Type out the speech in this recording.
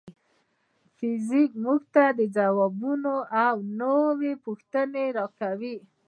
فزیک موږ ته ځوابونه او نوې پوښتنې ورکوي.